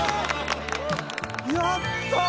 やった！